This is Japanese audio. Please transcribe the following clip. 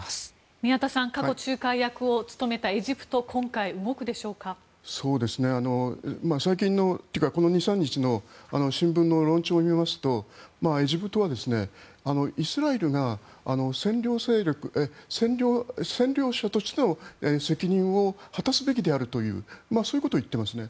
宮田さん、過去仲介役を務めたエジプト最近のというかここ２３日の新聞の論調を見ますとエジプトはイスラエルが責任を果たすべきであるというそういうことを言っていますね。